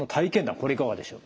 これいかがでしょう？